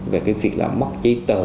về cái việc là mất giấy tờ